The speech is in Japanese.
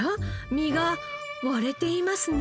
実が割れていますね。